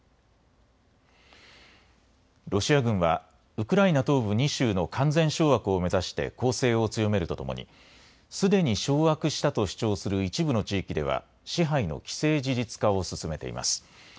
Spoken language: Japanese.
ロシア軍はウクライナ東部２州の完全掌握を目指して攻勢を強めるとともにすでに掌握したと主張する一部の地域では支配の既成事実化を進めています。